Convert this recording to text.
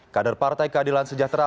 kader partai keadilan sejahtera